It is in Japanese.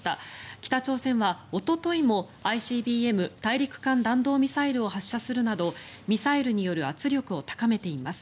北朝鮮はおとといもＩＣＢＭ・大陸間弾道ミサイルを発射するなどミサイルによる圧力を高めています。